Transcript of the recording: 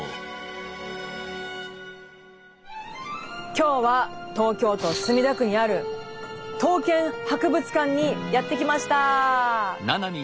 今日は東京都墨田区にある刀剣博物館にやって来ました。